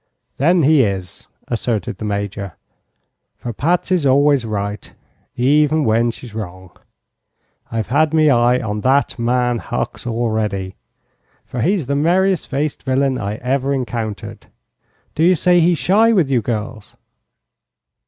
"Then he is," asserted the Major; "for Patsy's always right, even when she's wrong. I've had me eye on that man Hucks already, for he's the merriest faced villain I ever encountered. Do you say he's shy with you girls?"